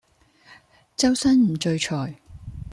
周身唔聚財